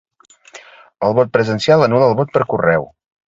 El vot presencial anul·la el vot per correu.